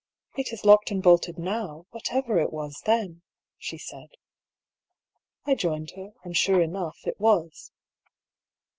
" It is locked and bolted now, whatever it was then," she said. I joined her, and sure enough it was.